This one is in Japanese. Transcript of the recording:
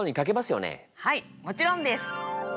はいもちろんです！